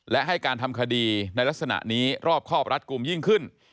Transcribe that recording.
และให้การทำคดีในลักษณะนี้รอบครอบรัดกลุ่มยิ่งขึ้น